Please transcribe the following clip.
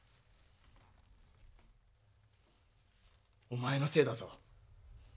お前のせいだぞ。